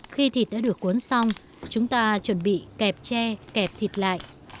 khi thịt đã được cuốn xong chúng ta chuẩn bị kẹp tre kẹp thịt lại